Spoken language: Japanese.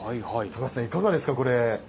高瀬さん、いかがですか、これ。